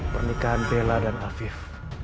pernikahan bella dan afif